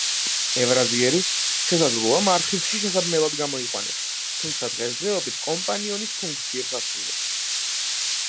ევრაზიერი, შესაძლოა, მარხილში შესაბმელად გამოიყვანეს, თუმცა დღესდღეობით კომპანიონის ფუნქციებს ასრულებს.